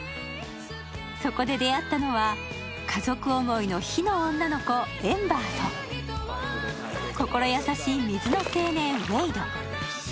そこで出会ったのは、家族思いの火の女の子、エンバーと心優しい水の青年・ウェイド。